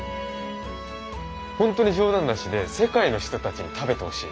ホントに冗談なしで世界の人たちに食べてほしい。